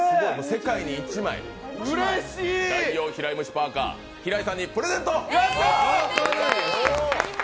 世界に１枚、ダイオウ平井ムシパーカー、平井さんにプレゼント！